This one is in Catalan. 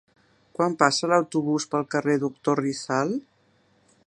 Quan passa l'autobús pel carrer Doctor Rizal?